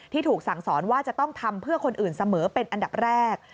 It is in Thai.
ถูกสั่งสอนว่าจะต้องทำเพื่อคนอื่นเสมอเป็นอันดับแรก